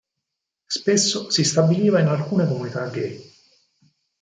Spesso si stabiliva in alcune comunità gay.